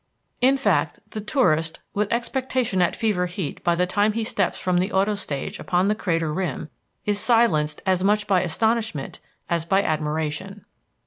In fact, the tourist, with expectation at fever heat by the time he steps from the auto stage upon the crater rim, is silenced as much by astonishment as by admiration.